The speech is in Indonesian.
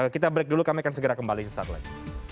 kita break dulu kami akan segera kembali sesaat lagi